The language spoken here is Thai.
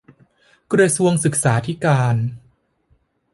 กระทรวงศึกษาธิการ